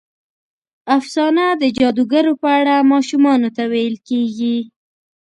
افسانه د جادوګرو په اړه ماشومانو ته ویل کېږي.